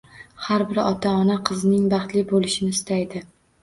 Har bir ota-ona qizining baxtli bo‘lishini istaydi.